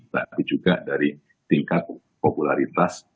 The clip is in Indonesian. tapi juga dari tingkat popularitas